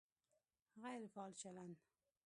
غیر فعال چلند